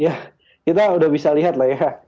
ya kita udah bisa lihat lah ya